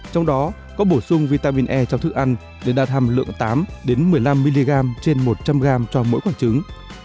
trong đó có bổ sung vitamin e trong thức ăn để đạt hàm lượng tám một mươi năm mg trên một trăm linh g cho mỗi quả trứng